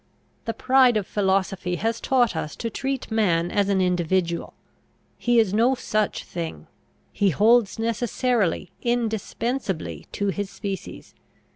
The pride of philosophy has taught us to treat man as an individual. He is no such thing. He holds necessarily, indispensably, to his species.